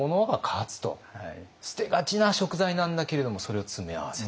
捨て「ガチ」な食材なんだけれどもそれを詰め合わせた。